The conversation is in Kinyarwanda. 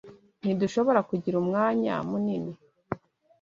Ntidushobora kugira umwanya munini.